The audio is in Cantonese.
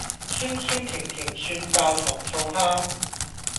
酸酸甜甜蒜爆糖醋蝦